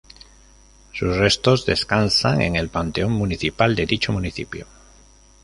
Sus restos descansan en el panteón municipal de dicho municipio